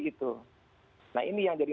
itu nah ini yang jadi